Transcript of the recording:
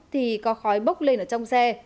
thì có khói bốc lên ở trong xe